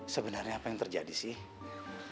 sebenarnya apa yang terjadi sih